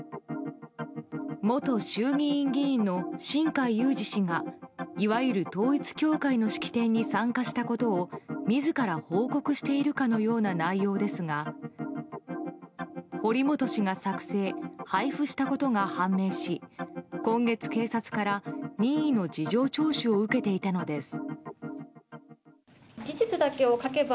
元衆議院議員の新開裕司氏がいわゆる統一教会の式典に参加したことを自ら報告しているかのような内容ですが堀本氏が作成・配布したことが判明し今月、警察から任意の事情聴取を受けていたのです。